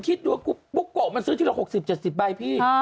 คุณคิดดูปุ๊กเกาะมันซื้อทีละ๖๐๗๐ใบพี่